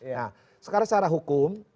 nah sekarang secara hukum